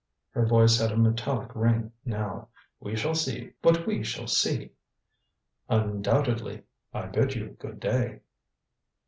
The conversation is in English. Her voice had a metallic ring now. "We shall see what we shall see." "Undoubtedly. I bid you good day."